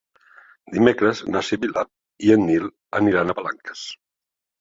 Dimecres na Sibil·la i en Nil aniran a Palanques.